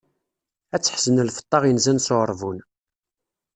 Ad teḥzen lfeṭṭa inzan s uɛeṛbun.